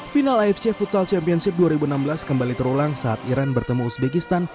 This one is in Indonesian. final afc futsal championship dua ribu enam belas kembali terulang saat iran bertemu uzbekistan